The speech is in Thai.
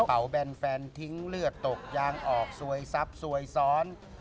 แบนแฟนทิ้งเลือดตกยางออกซวยซับซวยซ้อน